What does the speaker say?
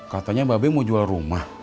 katanya mba be mau jual rumah